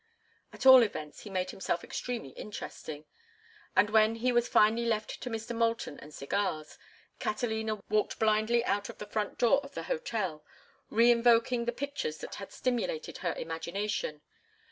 At all events, he made himself extremely interesting, and when he was finally left to Mr. Moulton and cigars, Catalina walked blindly out of the front door of the hotel, reinvoking the pictures that had stimulated her imagination.